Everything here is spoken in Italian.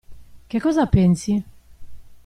Che cosa pensi?